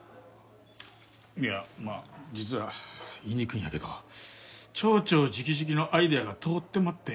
いやまあ実は言いにくいんやけど町長直々のアイデアが通ってまって。